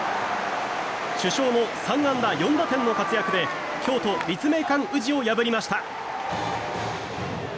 主将の３安打４打点の活躍で京都・立命館宇治を破りました。